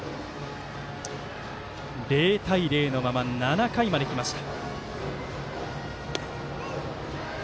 ０対０のまま、７回まできました。